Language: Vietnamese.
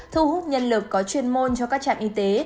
thu hút nhân lực có chuyên môn cho các trạm y tế